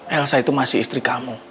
elsa itu masih istri kamu